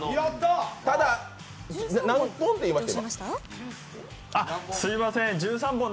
ただ、何本って言いました？